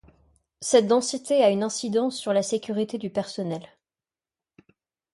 Cette densité a une incidence sur la sécurité du personnel.